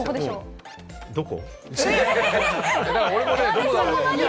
どこ？